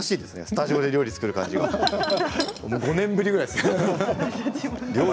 スタジオでお料理をするのは５年ぶりぐらいです。